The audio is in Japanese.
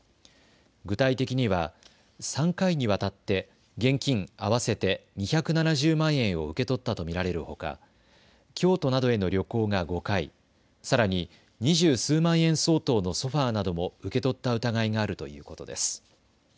具体的には３回にわたって現金合わせて２７０万円を受け取ったと見られるほか京都などへの旅行が５回、さらに二十数万円相当のソファーなども受け取った疑いがあるということです。